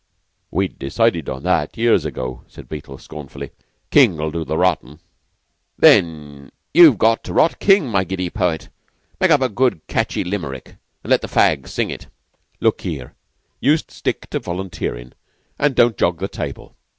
"We'd decided on that, years ago," said Beetle, scornfully. "King'll do the rottin'." "Then you've got to rot King, my giddy poet. Make up a good catchy Limerick, and let the fags sing it." "Look here, you stick to volunteerin', and don't jog the table."